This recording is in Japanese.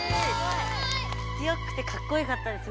強くてかっこよかったです